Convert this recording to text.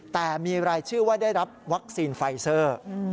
แต่มีรายชื่อว่าได้รับวัคซีนไฟเซอร์